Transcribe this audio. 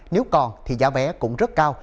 nếu còn thì giá vé cũng rất cao